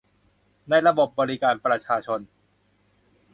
ในระบบบริการประชาชน